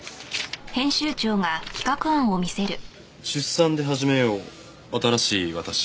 「出産ではじめよう新しい私」